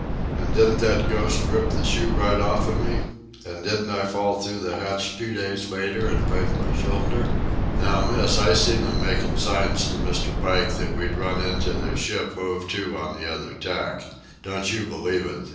An' didn't that ghost rip the shoe right off of me? An' didn't I fall through the hatch two days later an' break my shoulder?" "Now, Miss, I seen 'em makin' signs to Mr. Pike that we'd run into their ship hove to on the other tack. Don't you believe it.